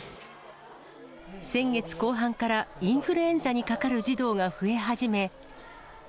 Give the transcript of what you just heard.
先月後半からインフルエンザにかかる児童が増え始め。